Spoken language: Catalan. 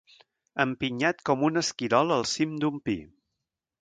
Empinyat com un esquirol al cim d'un pi.